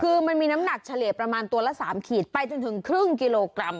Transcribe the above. คือมันมีน้ำหนักเฉลี่ยประมาณตัวละ๓ขีดไปจนถึงครึ่งกิโลกรัม